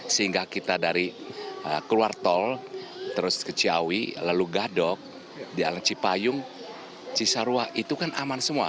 sehingga kita dari keluar tol terus ke ciawi lalu gadok jalan cipayung cisarua itu kan aman semua